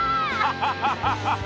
ハハハハ！